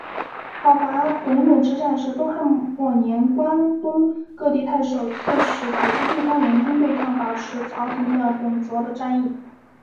讨伐董卓之战是东汉末年关东各地太守刺史组织地方联军对抗把持朝廷的董卓的战役。